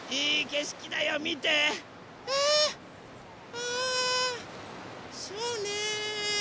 ああそうね。